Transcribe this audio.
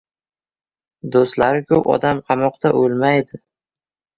• Do‘stlari ko‘p odam qamoqda o‘lmaydi.